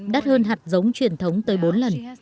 đắt hơn hạt giống truyền thống tới bốn lần